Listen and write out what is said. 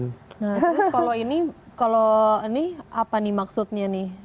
nah terus kalau ini apa nih maksudnya nih